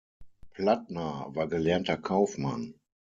Plattner war gelernter Kaufmann.